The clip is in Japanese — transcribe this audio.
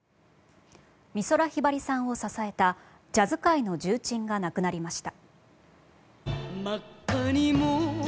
美空ひばりさんを支えたジャズ界の重鎮が亡くなりました。